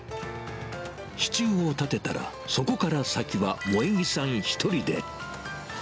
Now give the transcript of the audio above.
支柱を建てたら、そこから先は萌木さん１人で。